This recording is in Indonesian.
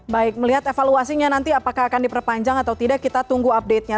baik melihat evaluasinya nanti apakah akan diperpanjang atau tidak kita tunggu update nya